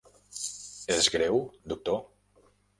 És greu, doctor?